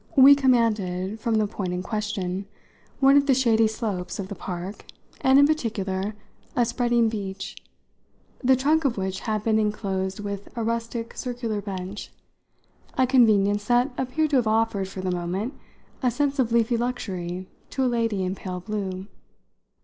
We commanded from the point in question one of the shady slopes of the park and in particular a spreading beech, the trunk of which had been inclosed with a rustic circular bench, a convenience that appeared to have offered, for the moment, a sense of leafy luxury to a lady in pale blue.